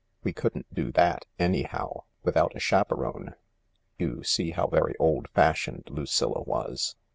"We couldn't do thai, anyhow, without a chaperone." You see how very old fashioned Lucilla was.